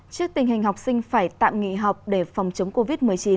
trước tình hình học sinh phải tạm nghỉ học để phòng chống covid một mươi chín